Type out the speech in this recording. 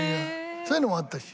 そういうのもあったし。